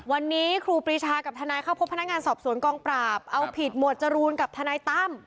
วันนี้ครูปรีชากับทนายเข้าพบพนักงานสอบสวนกองปราบเอาผิดหมวดจรูนกับทนายตั้ม